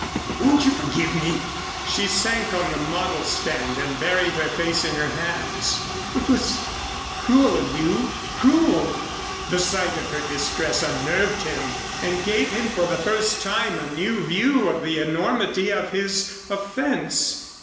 Won't you forgive me?" She sank on the model stand and buried her face in her hands. "It was cruel of you cruel." The sight of her distress unnerved him and gave him for the first time a new view of the enormity of his offense.